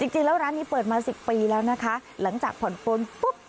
จริงแล้วร้านนี้เปิดมา๑๐ปีแล้วนะคะหลังจากผ่อนปนปุ๊บ